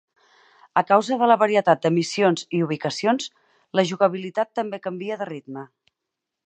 A causa de la varietat de missions i ubicacions, la jugabilitat també canvia de ritme.